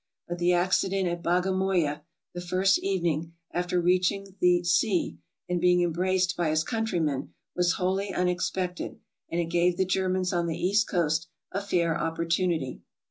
But the accident at Bagamoya, the first evening after reaching the sea, and being embraced by his countrymen, was wholly unexpected, and it gave the Germans on the East Coast a fair opportunity.